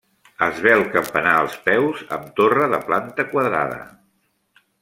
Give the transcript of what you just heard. Esvelt campanar als peus, amb torre de planta quadrada.